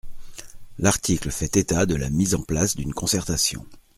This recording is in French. L’article fait état de la mise en place d’une concertation.